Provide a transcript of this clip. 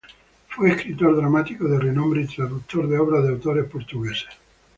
Fue escritor dramático de renombre y traductor de obras de autores portugueses.